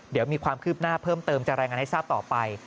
เดี๋ยวมีความคืบหน้าเพิ่มเติมจะรายงานให้ทราบต่อไป